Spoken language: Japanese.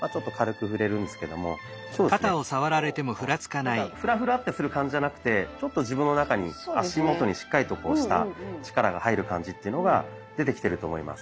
なんかフラフラってする感じじゃなくてちょっと自分の中に足元にしっかりとした力が入る感じっていうのが出てきていると思います。